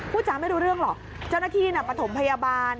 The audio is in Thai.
จ้าไม่รู้เรื่องหรอกเจ้าหน้าที่ปฐมพยาบาล